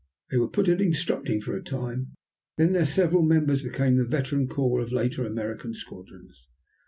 These were put at instructing for a time, then their several members became the veteran core of later American squadrons.